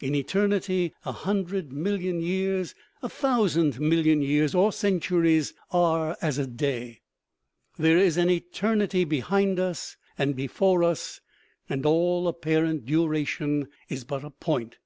In eternity a hundred million years, a thousand million years or centuries, are as a day. There is an eternity behind us and before us, and all apparent duration is but a point.